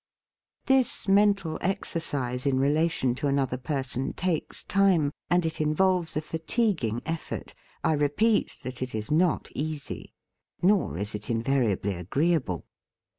*:¥This mental exercise in relation to another person takes time, and it in volves a fatiguing effort. I repeat that it is not easy. Nor is it invariably agreeable.